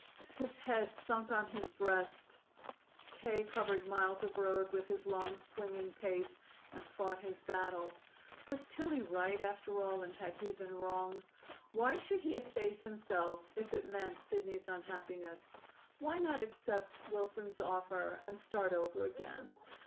His head sunk on his breast, K. covered miles of road with his long, swinging pace, and fought his battle. Was Tillie right, after all, and had he been wrong? Why should he efface himself, if it meant Sidney's unhappiness? Why not accept Wilson's offer and start over again?